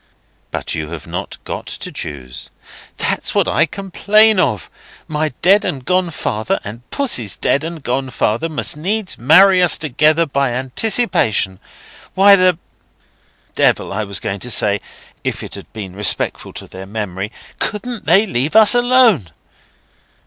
"But you have not got to choose." "That's what I complain of. My dead and gone father and Pussy's dead and gone father must needs marry us together by anticipation. Why the—Devil, I was going to say, if it had been respectful to their memory—couldn't they leave us alone?"